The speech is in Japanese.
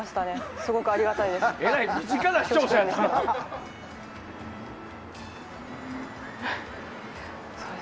すごくありがたいです。